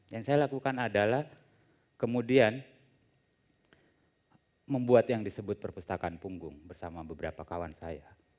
yang saya lakukan adalah kemudian membuat yang disebut perpustakaan punggung bersama beberapa kawan saya